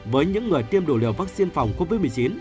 với những người tiêm đủ liều vaccine phòng covid một mươi chín